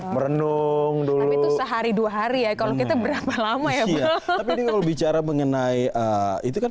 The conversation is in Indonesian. merenung dulu sehari dua hari ya kalau kita berapa lama ya kalau bicara mengenai itu kan